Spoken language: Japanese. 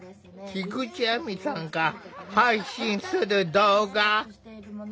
菊地亜美さんが配信する動画。